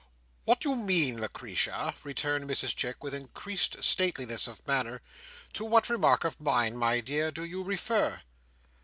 "What do you mean, Lucretia?" returned Mrs Chick, with increased stateliness of manner. "To what remark of mine, my dear, do you refer?"